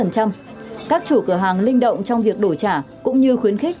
các chủ cửa hàng linh động trong việc đổi trả cũng như khuyến khích